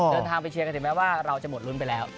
เดินทางไปเชียร์กันถึงแม้ว่าเราจะหมดลุ้นไปแล้ว